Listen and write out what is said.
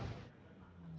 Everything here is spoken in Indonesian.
saya berhasil ini